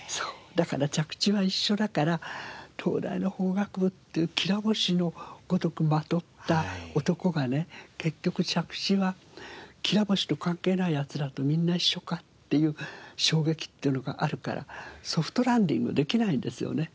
だから着地は一緒だから東大の法学部っていうきら星のごとくまとった男がね結局着地はきら星と関係ない奴らとみんな一緒かっていう衝撃っていうのがあるからソフトランディングできないんですよね。